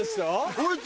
こいつ。